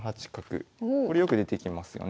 これよく出てきますよね。